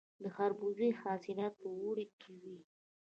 د خربوزو حاصلات په اوړي کې وي.